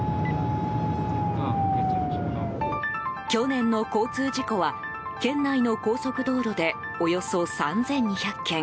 去年の交通事故は県内の高速道路でおよそ３２００件。